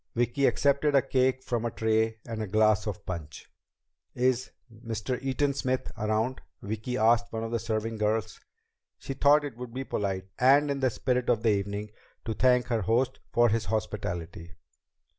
Vicki accepted a cake from a tray and a glass of punch. "Is Mr. Eaton Smith around?" Vicki asked one of the serving girls. She thought it would be polite, and in the spirit of the evening, to thank her host for his hospitality.